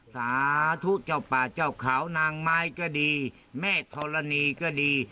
สาธุเจ้าป่าเจ้าเขานางไม้ก็ดีแม่ธรณีก็ดี